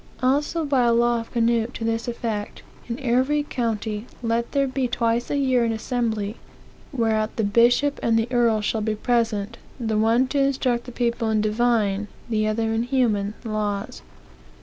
Also by a law of Canute to this effect, In every county let there be twice a year an assembly, whereat the bishop and the earl shall be present, the one to instruct the people in divine, the other in human, laws.